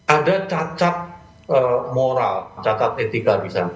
ada cacat moral cacat etika di sana